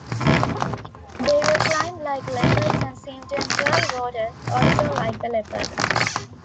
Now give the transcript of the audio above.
They will climb like leopards and seem to enjoy water, also like the leopard.